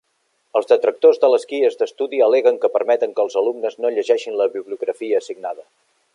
Els detractors de les guies d'estudi al·leguen que permeten que els alumnes no llegeixin la bibliografia assignada.